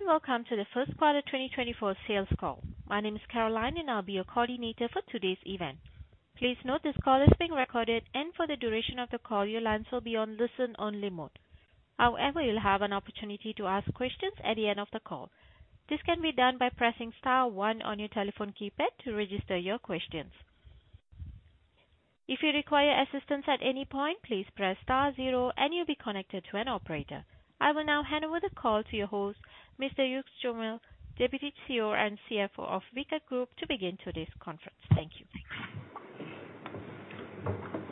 Hello and welcome to the first quarter 2024 sales call. My name is Caroline and I'll be your coordinator for today's event. Please note this call is being recorded and for the duration of the call your lines will be on listen-only mode. However, you'll have an opportunity to ask questions at the end of the call. This can be done by pressing star 1 on your telephone keypad to register your questions. If you require assistance at any point, please press star 0 and you'll be connected to an operator. I will now hand over the call to your host, Mr. Hugues Chomel, Deputy CEO and CFO of Vicat Group, to begin today's conference. Thank you.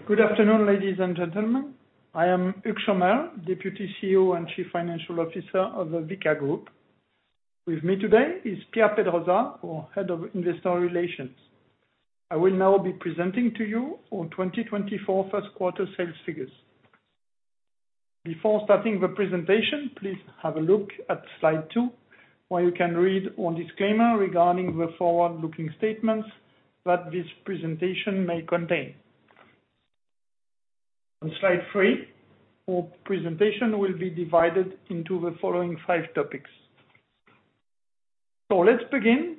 Good afternoon, ladies and gentlemen. I am Hugues Chomel, Deputy CEO and Chief Financial Officer of Vicat Group. With me today is Pierre Pedrosa, our Head of Investor Relations. I will now be presenting to you our 2024 first quarter sales figures. Before starting the presentation, please have a look at slide 2 where you can read our disclaimer regarding the forward-looking statements that this presentation may contain. On slide 3, our presentation will be divided into the following five topics. So let's begin.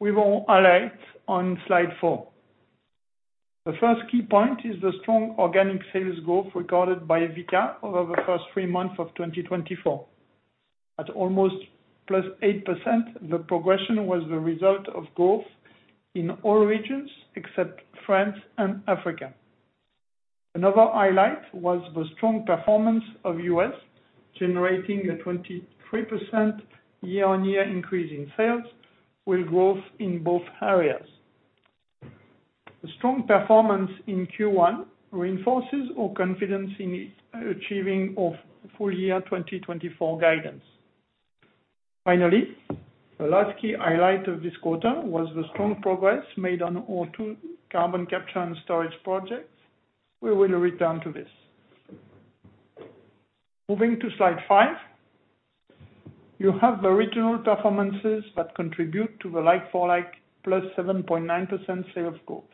We will highlight on slide 4. The first key point is the strong organic sales growth recorded by Vicat over the first three months of 2024. At almost +8%, the progression was the result of growth in all regions except France and Africa. Another highlight was the strong performance of the U.S., generating a 23% year-on-year increase in sales with growth in both areas. The strong performance in Q1 reinforces our confidence in achieving our full-year 2024 guidance. Finally, the last key highlight of this quarter was the strong progress made on our two carbon capture and storage projects. We will return to this. Moving to slide 5, you have the regional performances that contribute to the like-for-like plus 7.9% sales growth.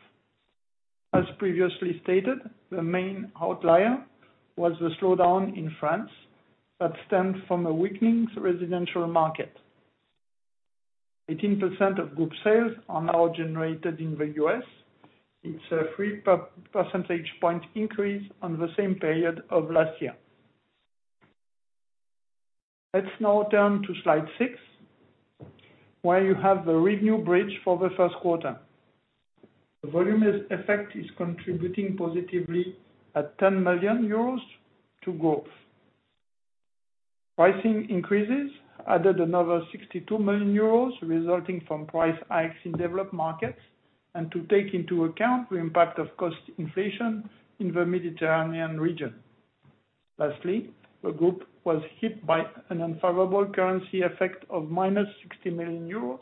As previously stated, the main outlier was the slowdown in France that stemmed from a weakening residential market. 18% of group sales are now generated in the U.S. It's a three percentage point increase on the same period of last year. Let's now turn to slide 6 where you have the revenue bridge for the first quarter. The volume effect is contributing positively at 10 million euros to growth. Pricing increases added another 62 million euros resulting from price hikes in developed markets and to take into account the impact of cost inflation in the Mediterranean region. Lastly, the group was hit by an unfavorable currency effect of -60 million euros,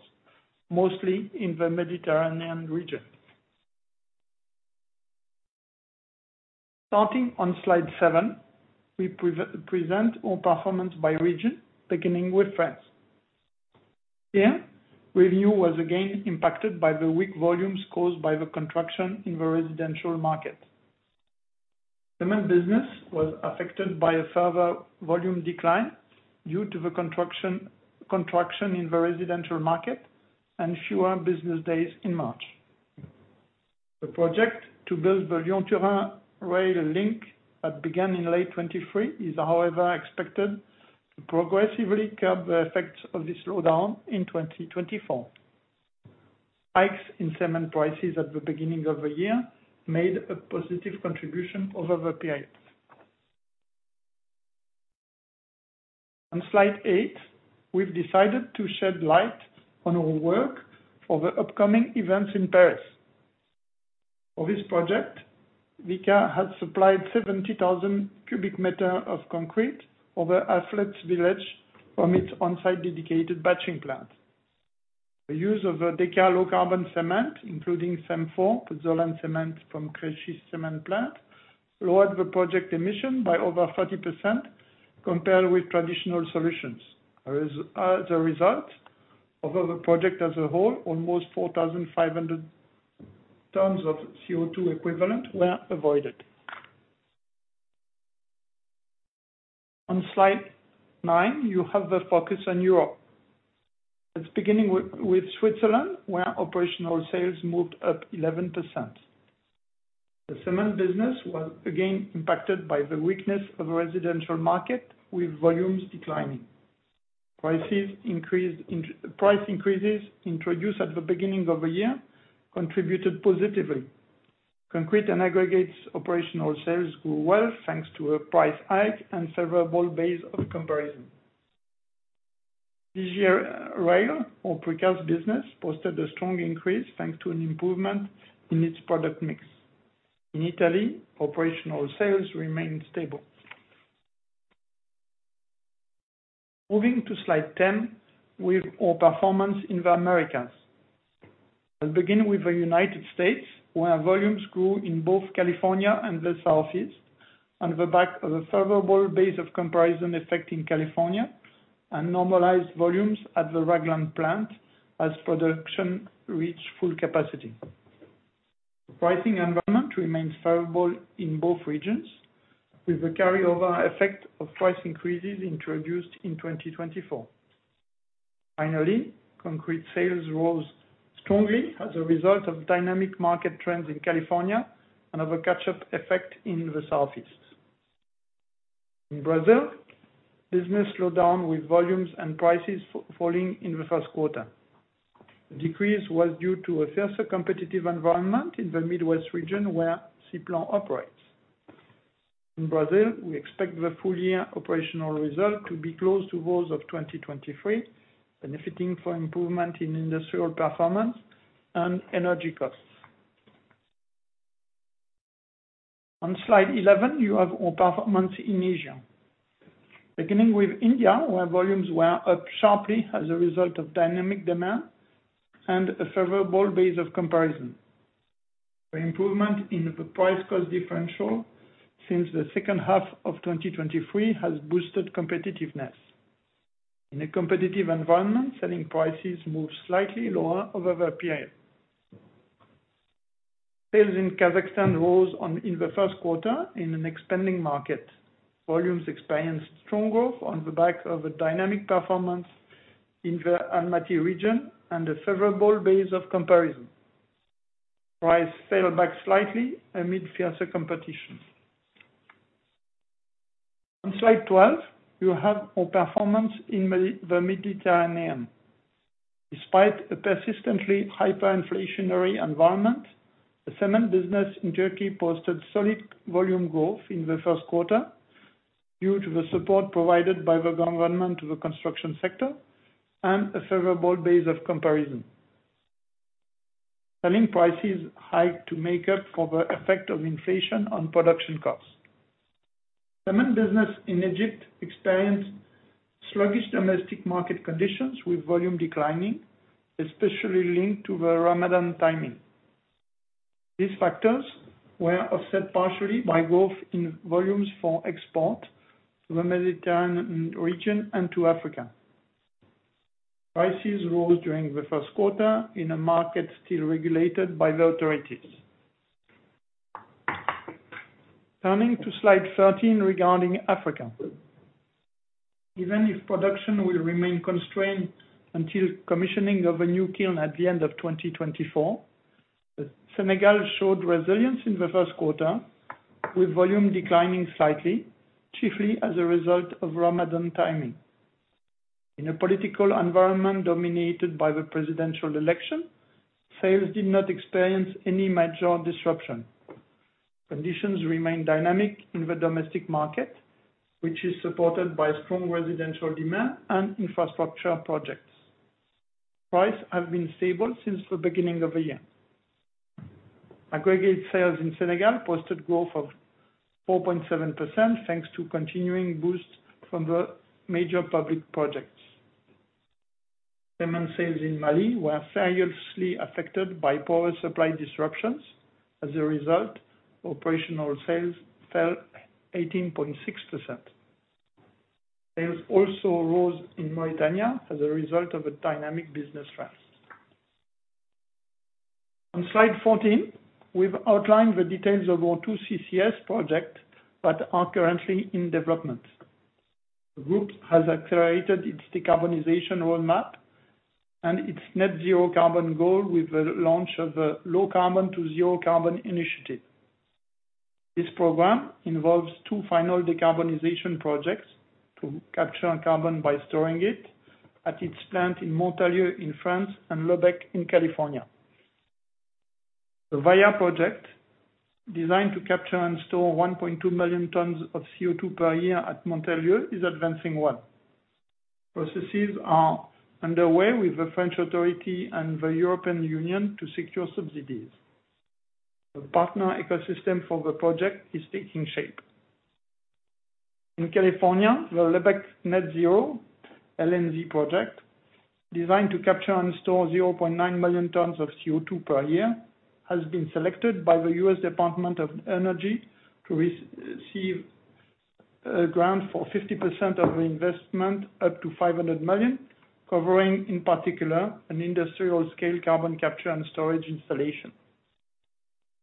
mostly in the Mediterranean region. Starting on slide 7, we present our performance by region, beginning with France. Here, revenue was again impacted by the weak volumes caused by the contraction in the residential market. The main business was affected by a further volume decline due to the contraction in the residential market and fewer business days in March. The project to build the Lyon-Turin rail link that began in late 2023 is, however, expected to progressively curb the effects of this slowdown in 2024. Hikes in cement prices at the beginning of the year made a positive contribution over the period. On slide 8, we've decided to shed light on our work for the upcoming events in Paris. For this project, Vicat had supplied 70,000 cubic meters of concrete to the Athletes Village from its on-site dedicated batching plant. The use of DECA low-carbon cement, including CEM IV, pozzolan cement from Crèches cement plant, lowered the project emission by over 30% compared with traditional solutions. As a result, over the project as a whole, almost 4,500 tons of CO2 equivalent were avoided. On slide 9, you have the focus on Europe. It's beginning with Switzerland where operational sales moved up 11%. The cement business was again impacted by the weakness of the residential market with volumes declining. Price increases introduced at the beginning of the year contributed positively. Concrete and aggregates operational sales grew well thanks to a price hike and favorable base of comparison. This year, rail or precast business posted a strong increase thanks to an improvement in its product mix. In Italy, operational sales remained stable. Moving to slide 10 with our performance in the Americas. I'll begin with the United States where volumes grew in both California and the Southeast on the back of a favorable base of comparison effect in California and normalized volumes at the Ragland plant as production reached full capacity. Pricing environment remains favorable in both regions with a carryover effect of price increases introduced in 2024. Finally, concrete sales rose strongly as a result of dynamic market trends in California and of a catch-up effect in the Southeast. In Brazil, business slowdown with volumes and prices falling in the first quarter. The decrease was due to a fiercer competitive environment in the Midwest region where Ciplan operates. In Brazil, we expect the full-year operational result to be close to those of 2023, benefiting from improvement in industrial performance and energy costs. On slide 11, you have our performance in Asia. Beginning with India where volumes were up sharply as a result of dynamic demand and a favorable base of comparison. The improvement in the price-cost differential since the second half of 2023 has boosted competitiveness. In a competitive environment, selling prices moved slightly lower over the period. Sales in Kazakhstan rose in the first quarter in an expanding market. Volumes experienced strong growth on the back of a dynamic performance in the Almaty region and a favorable base of comparison. Price fell back slightly amid fiercer competition. On slide 12, you have our performance in the Mediterranean. Despite a persistently hyperinflationary environment, the cement business in Turkey posted solid volume growth in the first quarter due to the support provided by the government to the construction sector and a favorable base of comparison. Selling prices hiked to make up for the effect of inflation on production costs. Cement business in Egypt experienced sluggish domestic market conditions with volume declining, especially linked to the Ramadan timing. These factors were offset partially by growth in volumes for export to the Mediterranean region and to Africa. Prices rose during the first quarter in a market still regulated by the authorities. Turning to slide 13 regarding Africa. Even if production will remain constrained until commissioning of a new kiln at the end of 2024, Senegal showed resilience in the first quarter with volume declining slightly, chiefly as a result of Ramadan timing. In a political environment dominated by the presidential election, sales did not experience any major disruption. Conditions remained dynamic in the domestic market, which is supported by strong residential demand and infrastructure projects. Prices have been stable since the beginning of the year. Aggregate sales in Senegal posted growth of 4.7% thanks to continuing boosts from the major public projects. Cement sales in Mali were seriously affected by poorer supply disruptions. As a result, operational sales fell 18.6%. Sales also rose in Mauritania as a result of a dynamic business trend. On slide 14, we've outlined the details of our two CCS projects that are currently in development. The group has accelerated its decarbonization roadmap and its net-zero carbon goal with the launch of a low-carbon to zero-carbon initiative. This program involves two final decarbonization projects to capture carbon by storing it at its plant in Montalieu in France and Lebec in California. The VIA project, designed to capture and store 1.2 million tons of CO2 per year at Montalieu, is advancing well. Processes are underway with the French authority and the European Union to secure subsidies. The partner ecosystem for the project is taking shape. In California, the Net Zero LNG project, designed to capture and store 0.9 million tons of CO2 per year, has been selected by the U.S. Department of Energy to receive a grant for 50% of the investment up to $500 million, covering in particular an industrial-scale carbon capture and storage installation.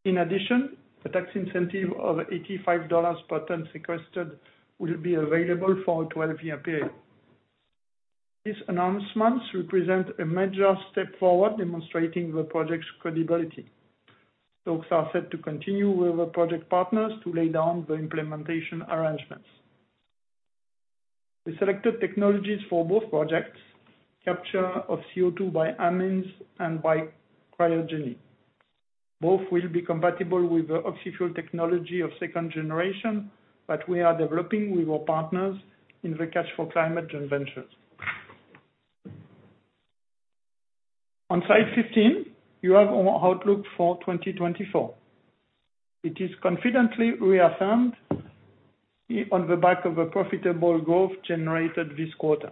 In addition, a tax incentive of $85 per ton sequestered will be available for a 12-year period. These announcements represent a major step forward demonstrating the project's credibility. Talks are set to continue with the project partners to lay down the implementation arrangements. The selected technologies for both projects capture CO2 by amines and by cryogeny. Both will be compatible with the Oxy-fuel technology of second generation that we are developing with our partners in the Catch for Climate joint ventures. On slide 15, you have our outlook for 2024. It is confidently reaffirmed on the back of a profitable growth generated this quarter.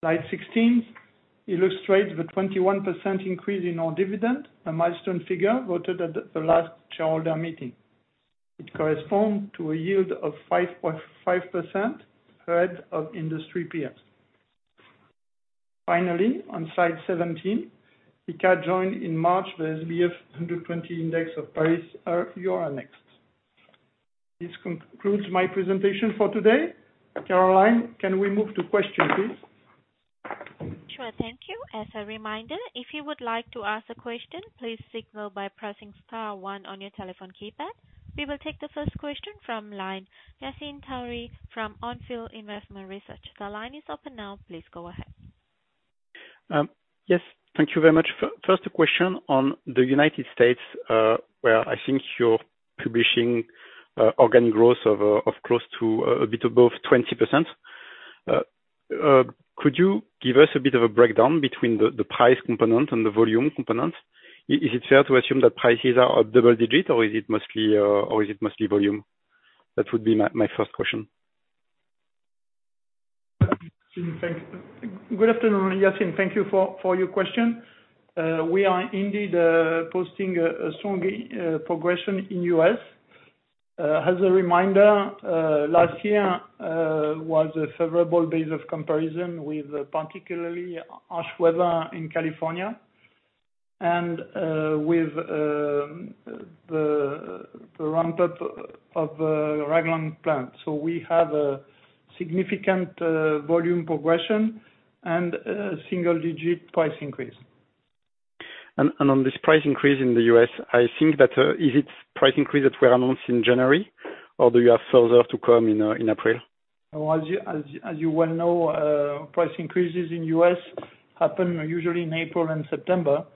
Slide 16 illustrates the 21% increase in our dividend, a milestone figure voted at the last shareholder meeting. It corresponds to a yield of 5.5% ahead of industry peers. Finally, on slide 17, Vicat joined in March the SBF 120 Index of Euronext Paris. This concludes my presentation for today. Caroline, can we move to questions, please? Sure. Thank you. As a reminder, if you would like to ask a question, please signal by pressing star 1 on your telephone keypad. We will take the first question from line, Yassine Touahri from On Field Investment Research. The line is open now. Please go ahead. Yes. Thank you very much. First question on the United States where I think you're publishing organic growth of close to a bit above 20%. Could you give us a bit of a breakdown between the price component and the volume component? Is it fair to assume that prices are a double digit, or is it mostly volume? That would be my first question. Good afternoon, Yassine. Thank you for your question. We are indeed posting a strong progression in the U.S. As a reminder, last year was a favorable base of comparison with particularly harsh weather in California and with the ramp-up of the Ragland plant. So we have a significant volume progression and a single-digit price increase. On this price increase in the U.S., I think that's the price increase that was announced in January, or do you have further to come in April? As you well know, price increases in the U.S. happen usually in April and September.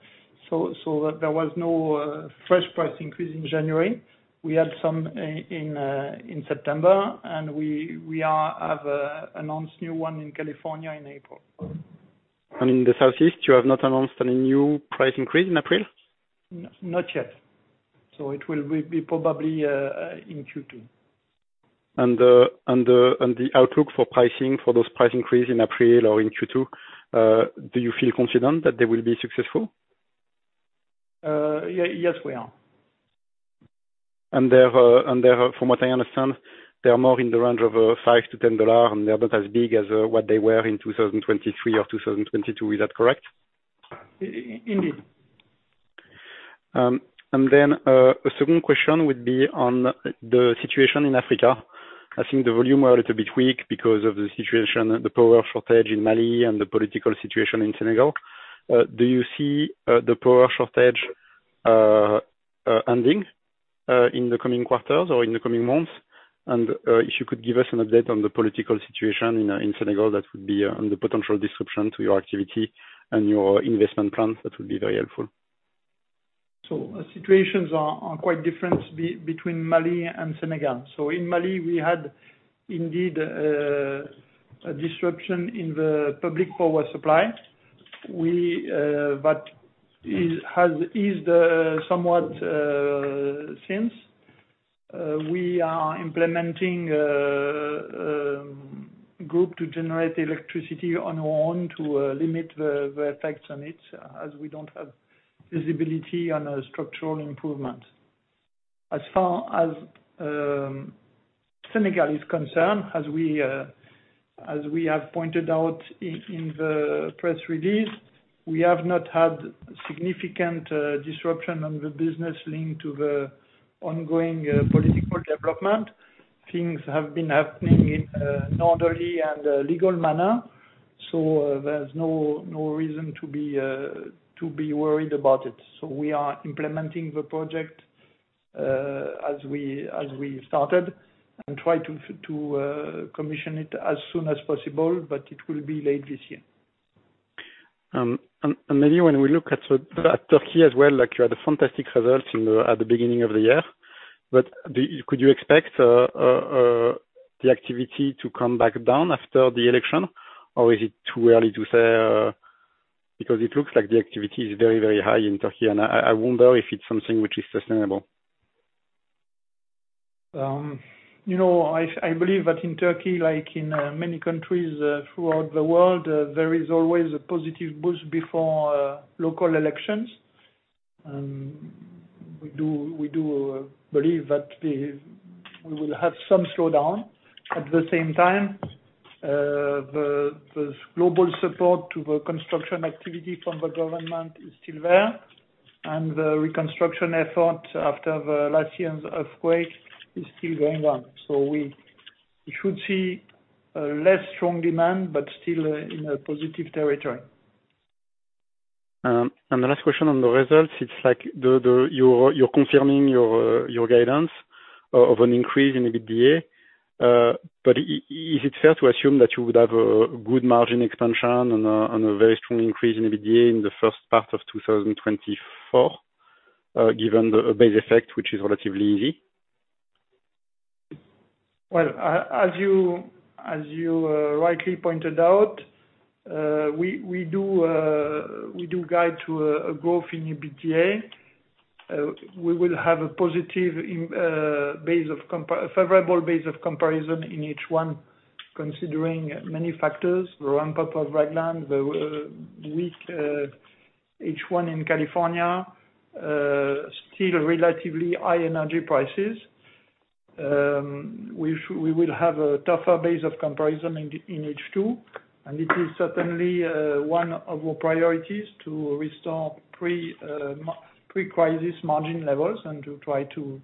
So there was no fresh price increase in January. We had some in September, and we have announced a new one in California in April. In the Southeast, you have not announced any new price increase in April? Not yet. So it will be probably in Q2. The outlook for pricing for those price increases in April or in Q2, do you feel confident that they will be successful? Yes, we are. From what I understand, they are more in the range of $5-$10, and they are not as big as what they were in 2023 or 2022. Is that correct? Indeed. Then a second question would be on the situation in Africa. I think the volumes were a little bit weak because of the power shortage in Mali and the political situation in Senegal. Do you see the power shortage ending in the coming quarters or in the coming months? And if you could give us an update on the political situation in Senegal that would be on the potential disruption to your activity and your investment plans, that would be very helpful. Situations are quite different between Mali and Senegal. In Mali, we had indeed a disruption in the public power supply that has eased somewhat since. We are implementing a group to generate electricity on our own to limit the effects on it as we don't have visibility on structural improvements. As far as Senegal is concerned, as we have pointed out in the press release, we have not had significant disruption on the business linked to the ongoing political development. Things have been happening in a normal and legal manner. There's no reason to be worried about it. We are implementing the project as we started and try to commission it as soon as possible, but it will be late this year. Maybe when we look at Turkey as well, you had fantastic results at the beginning of the year. Could you expect the activity to come back down after the election, or is it too early to say? Because it looks like the activity is very, very high in Turkey, and I wonder if it's something which is sustainable. I believe that in Turkey, like in many countries throughout the world, there is always a positive boost before local elections. We do believe that we will have some slowdown. At the same time, the global support to the construction activity from the government is still there, and the reconstruction efforts after last year's earthquake are still going on. So we should see less strong demand but still in a positive territory. The last question on the results, it's like you're confirming your guidance of an increase in EBITDA. Is it fair to assume that you would have a good margin expansion and a very strong increase in EBITDA in the first part of 2024 given the base effect, which is relatively easy? Well, as you rightly pointed out, we do guide to a growth in EBITDA. We will have a positive base of a favorable base of comparison in H1 considering many factors: the ramp-up of Ragland, the weak H1 in California, still relatively high energy prices. We will have a tougher base of comparison in H2, and it is certainly one of our priorities to restore pre-crisis margin levels and to try to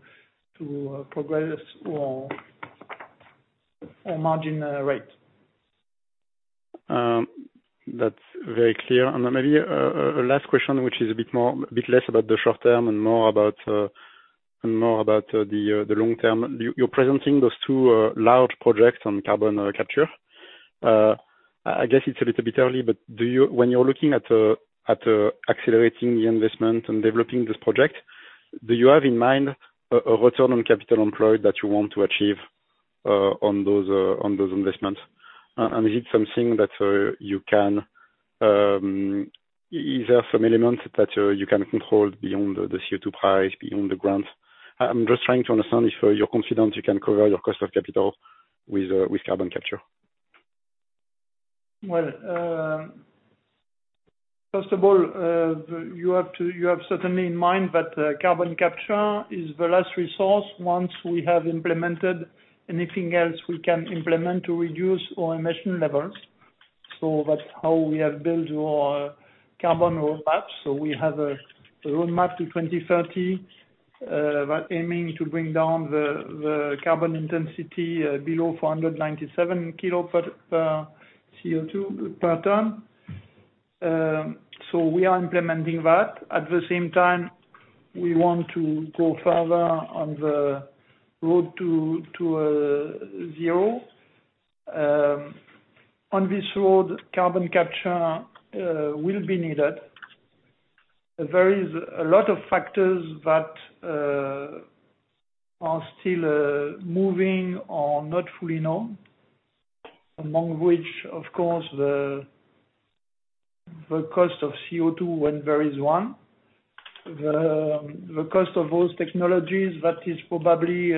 progress our margin rate. That's very clear. And maybe a last question, which is a bit less about the short term and more about the long term. You're presenting those two large projects on carbon capture. I guess it's a little bit early, but when you're looking at accelerating the investment and developing this project, do you have in mind a return on capital employed that you want to achieve on those investments? And is it something that you can? Is there some elements that you can control beyond the CO2 price, beyond the grants? I'm just trying to understand if you're confident you can cover your cost of capital with carbon capture. Well, first of all, you have certainly in mind that carbon capture is the last resource. Once we have implemented anything else we can implement to reduce our emission levels. So that's how we have built our carbon roadmap. So we have a roadmap to 2030 aiming to bring down the carbon intensity below 497 kilotons CO2 per ton. So we are implementing that. At the same time, we want to go further on the road to zero. On this road, carbon capture will be needed. There is a lot of factors that are still moving or not fully known, among which, of course, the cost of CO2 when there is one, the cost of those technologies that is probably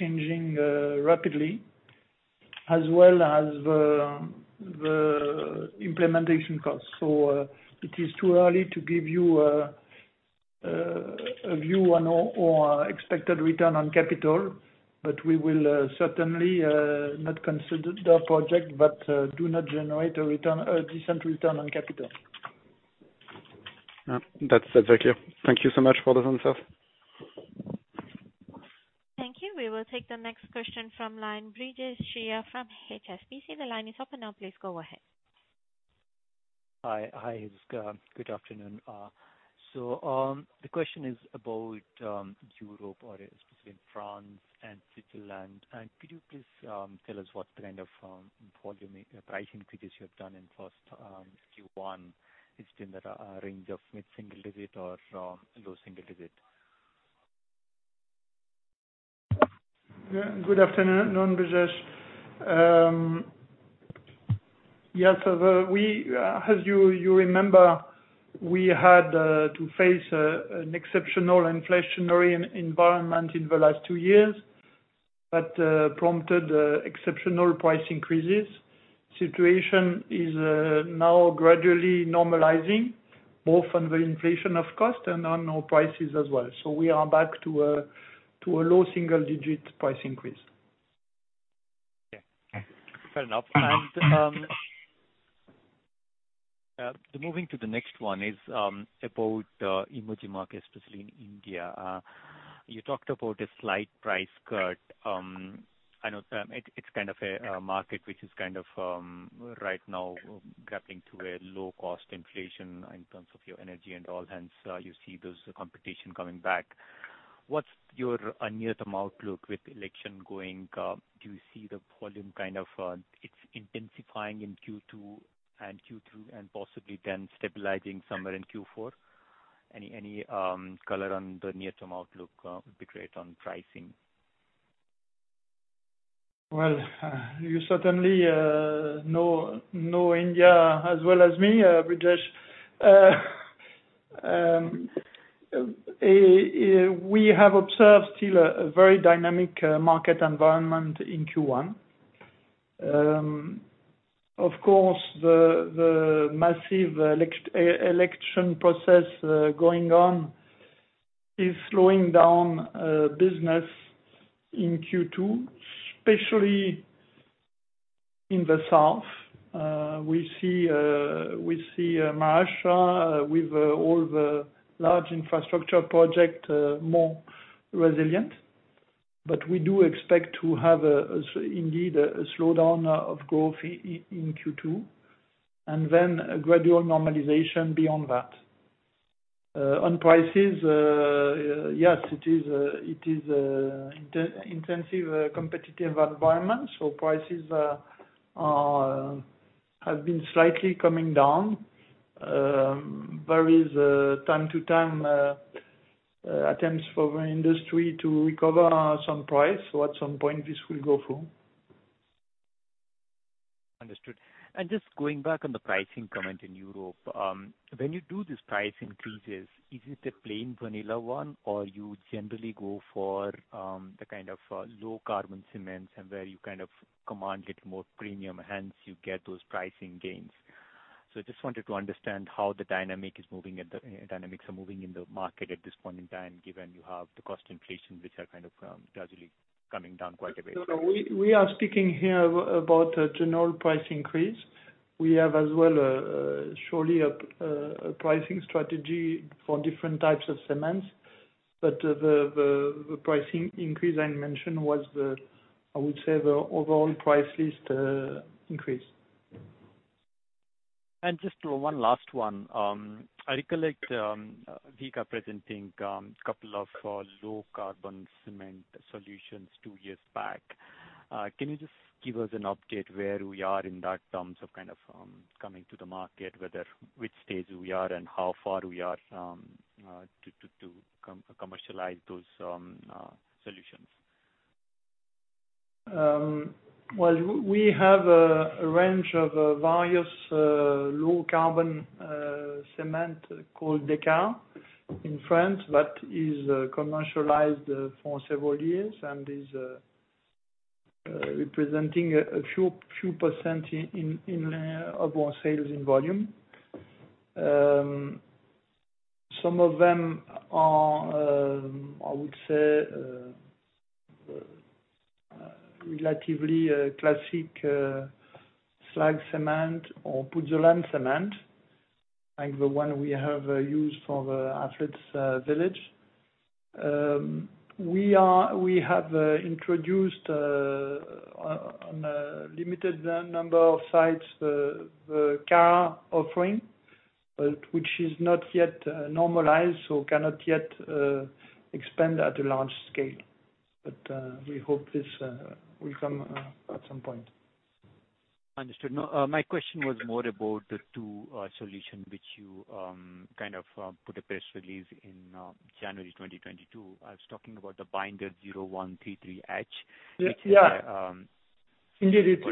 changing rapidly, as well as the implementation costs. It is too early to give you a view on our expected return on capital, but we will certainly not consider the project that does not generate a decent return on capital. That's very clear. Thank you so much for those answers. Thank you. We will take the next question from Brijesh Siya from HSBC. The line is open now. Please go ahead. Hi. Hi, Yassine. Good afternoon. The question is about Europe, or specifically France and Switzerland. Could you please tell us what kind of price increases you have done in the first Q1? It's been a range of mid-single digit or low-single digit. Good afternoon, Yassine. Yes. As you remember, we had to face an exceptional inflationary environment in the last two years that prompted exceptional price increases. The situation is now gradually normalizing, both on the inflation, of course, and on our prices as well. So we are back to a low-single digit price increase. Fair enough. Moving to the next one is about the emerging market, especially in India. You talked about a slight price cut. I know it's kind of a market which is kind of right now grappling with low-cost inflation in terms of your energy and oil. Hence, you see those competitions coming back. What's your near-term outlook with the election going? Do you see the volume kind of intensifying in Q2 and Q3 and possibly then stabilizing somewhere in Q4? Any color on the near-term outlook would be great on pricing. Well, you certainly know India as well as me, Brijesh. We have observed still a very dynamic market environment in Q1. Of course, the massive election process going on is slowing down business in Q2, especially in the south. We see Maharashtra with all the large infrastructure projects more resilient. But we do expect to have indeed a slowdown of growth in Q2 and then a gradual normalization beyond that. On prices, yes, it is an intensive competitive environment. So prices have been slightly coming down. There is, from time to time, attempts from the industry to recover some price. So at some point, this will go through. Understood. And just going back on the pricing comment in Europe, when you do these price increases, is it the plain vanilla one, or you generally go for the kind of low-carbon cements and where you kind of command a little more premium, hence you get those pricing gains? So I just wanted to understand how the dynamics are moving in the market at this point in time given you have the cost inflation, which are kind of gradually coming down quite a bit. No, no. We are speaking here about a general price increase. We have as well surely a pricing strategy for different types of cements. But the pricing increase I mentioned was, I would say, the overall price list increase. Just one last one. I recollect Vicat presenting a couple of low-carbon cement solutions two years back. Can you just give us an update where we are in that terms of kind of coming to the market, which stage we are and how far we are to commercialize those solutions? Well, we have a range of various low-carbon cement called Decca in France that is commercialized for several years and is representing a few % of our sales in volume. Some of them are, I would say, relatively classic slag cement or pozzolanic cement, like the one we have used for the Athletes' Village. We have introduced on a limited number of sites the CARAT offering, which is not yet normalized so cannot yet expand at a large scale. But we hope this will come at some point. Understood. My question was more about the two solutions which you kind of put a press release in January 2022. I was talking about the Binder 0133H, which is the. Yeah. Indeed, it's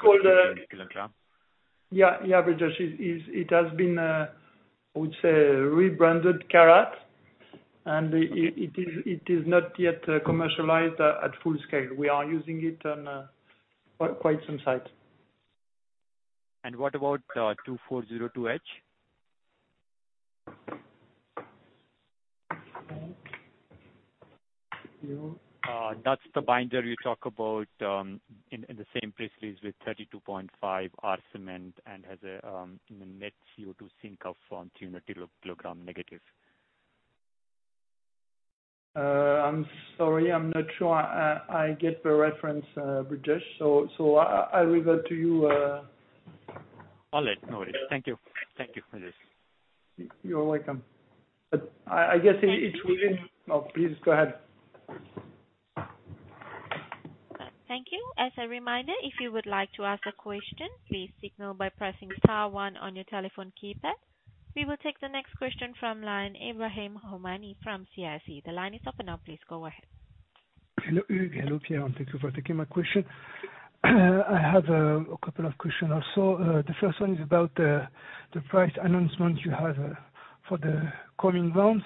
called the. Particular name? Yeah, yeah, Bridges. It has been, I would say, rebranded CARAT, and it is not yet commercialized at full scale. We are using it on quite some sites. What about 2402H? That's the binder you talk about in the same press release with 32.5 R cement and has a net CO2 sink-off from 200 kilogram negative. I'm sorry. I'm not sure I get the reference, Bridges. So I'll revert to you. All right. No worries. Thank you. Thank you, Bridges. You're welcome. But I guess it's within. Sorry. Oh, please go ahead. Thank you. As a reminder, if you would like to ask a question, please signal by pressing star 1 on your telephone keypad. We will take the next question from Ibrahim Houmani from CIC. The line is open now. Please go ahead. Hello. Hello, Pierre. Thank you for taking my question. I have a couple of questions also. The first one is about the price announcement you have for the coming rounds.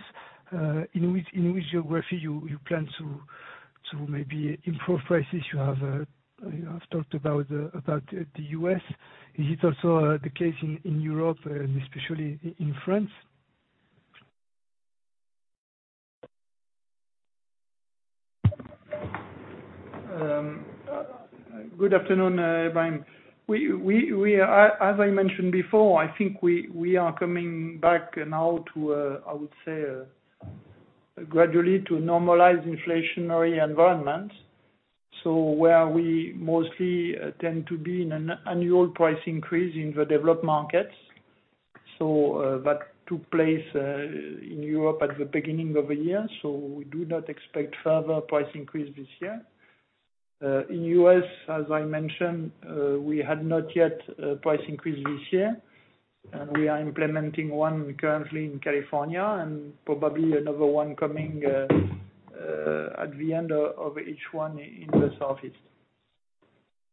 In which geography you plan to maybe improve prices? You have talked about the US. Is it also the case in Europe and especially in France? Good afternoon, Ibrahim. As I mentioned before, I think we are coming back now to, I would say, gradually to a normalized inflationary environment where we mostly tend to be in an annual price increase in the developed markets. So that took place in Europe at the beginning of the year. So we do not expect further price increase this year. In the U.S., as I mentioned, we had not yet a price increase this year. And we are implementing one currently in California and probably another one coming at the end of each one in the southeast.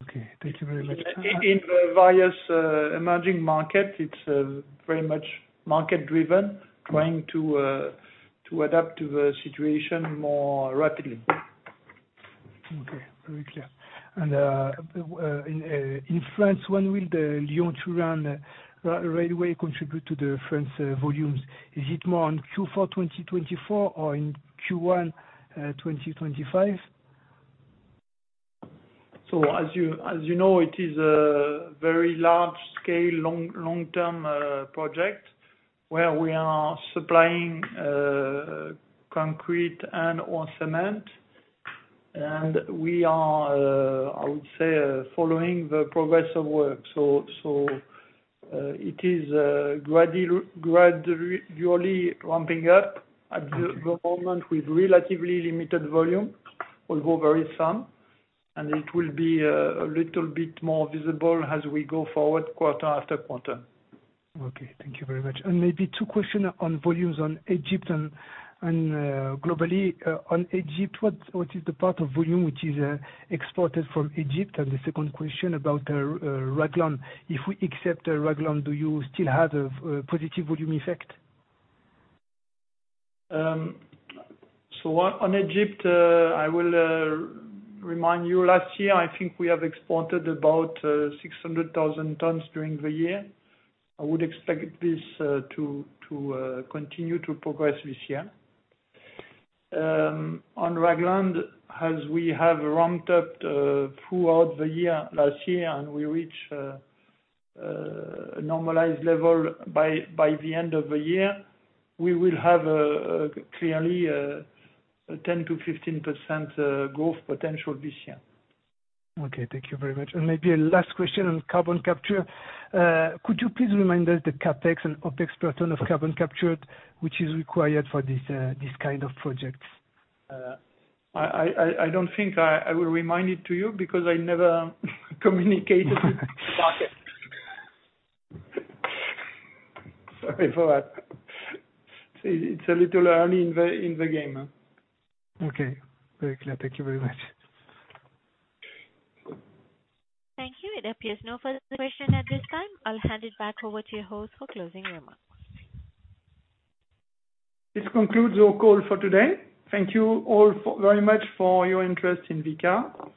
Okay. Thank you very much. In the various emerging markets, it's very much market-driven, trying to adapt to the situation more rapidly. Okay. Very clear. And in France, when will the Lyon-Turin railway contribute to the France volumes? Is it more in Q4 2024 or in Q1 2025? So as you know, it is a very large-scale, long-term project where we are supplying concrete and/or cement. We are, I would say, following the progress of work. So it is gradually ramping up. At the moment, with relatively limited volume, although very some. It will be a little bit more visible as we go forward quarter after quarter. Okay. Thank you very much. And maybe two questions on volumes on Egypt. And globally, on Egypt, what is the part of volume which is exported from Egypt? And the second question about Ragland. If we accept Ragland, do you still have a positive volume effect? On Egypt, I will remind you, last year, I think we have exported about 600,000 tons during the year. I would expect this to continue to progress this year. On Ragland, as we have ramped up throughout the year last year and we reach a normalized level by the end of the year, we will have clearly a 10%-15% growth potential this year. Okay. Thank you very much. Maybe a last question on carbon capture. Could you please remind us the CapEx and OpEx per ton of carbon captured which is required for this kind of project? I don't think I will remind it to you because I never communicated with the market. Sorry for that. It's a little early in the game. Okay. Very clear. Thank you very much. Thank you. It appears no further question at this time. I'll hand it back over to your host for closing remarks. This concludes our call for today. Thank you all very much for your interest in Vicat.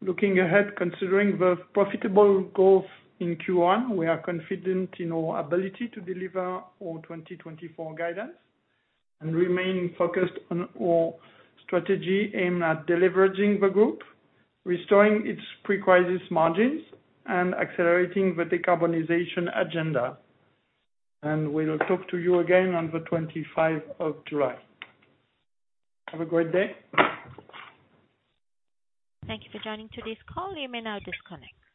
Looking ahead, considering the profitable growth in Q1, we are confident in our ability to deliver our 2024 guidance and remain focused on our strategy aimed at leveraging the group, restoring its pre-crisis margins, and accelerating the decarbonization agenda. And we'll talk to you again on the 25th of July. Have a great day. Thank you for joining today's call. You may now disconnect.